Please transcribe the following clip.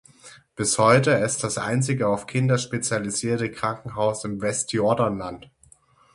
Bis heute es das einzige auf Kinder spezialisierte Krankenhaus im Westjordanland.